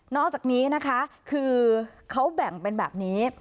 อกจากนี้นะคะคือเขาแบ่งเป็นแบบนี้